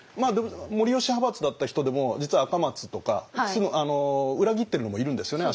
護良派閥だった人でも実は赤松とか裏切ってるのもいるんですよね。